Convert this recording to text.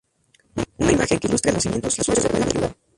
Una imagen que ilustra el nacimiento de Jesús se puede ver en el lugar.